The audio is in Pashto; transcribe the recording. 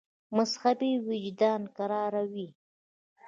مذهبي وجدان کراروي.